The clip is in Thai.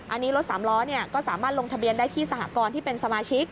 อันนี้รถสามล้อก็สามารถลงทะเบียนได้ที่สหกรณ์ที่เป็นสมาชิก